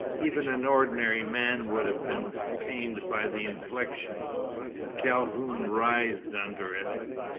Even an ordinary man would have been pained by the infliction. Calhoun writhed under it.